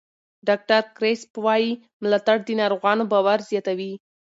ډاکټر کریسپ وایي ملاتړ د ناروغانو باور زیاتوي.